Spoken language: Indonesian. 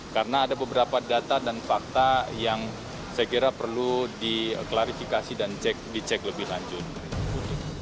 karena ada beberapa data dan fakta yang saya kira perlu diklarifikasi dan dicek lebih lanjut